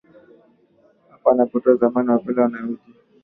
hapa anatoa mtazamo wake lakini anahoji